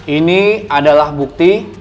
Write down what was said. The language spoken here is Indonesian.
ini adalah bukti